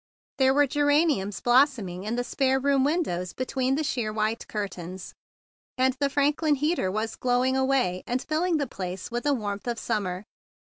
There were geraniums blos¬ soming in the spare room windows be¬ tween the sheer white curtains, and the Franklin heater was glowing away and filling the place with the warmth of summer.